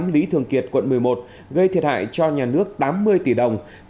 lý thường kiệt quận một mươi một gây thiệt hại cho nhà nước tám mươi tỷ đồng